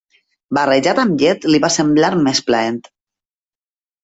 Barrejat amb llet li va semblar més plaent.